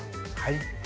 はい。